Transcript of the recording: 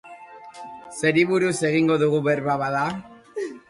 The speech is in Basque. Zeri buruz egingo dugu berba bada?